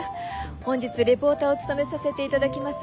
本日レポーターを務めさせて頂きます